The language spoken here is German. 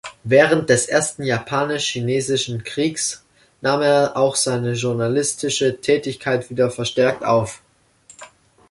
Während des Ersten Japanisch-Chinesischen Krieges nahm er auch seine journalistische Tätigkeit wieder verstärkt auf.